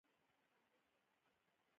دوی که واک ورکړل شي، سمدستي سوله کوي.